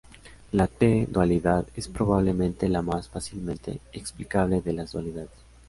La T-dualidad es probablemente la más fácilmente explicable de las dualidades.